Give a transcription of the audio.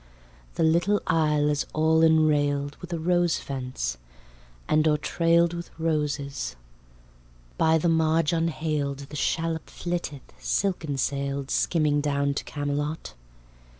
The little isle is all inrailed With a rose fence, and overtrailed With roses: by the marge unhailed The shallop flitteth silkensailed, Skimming down to Camelot.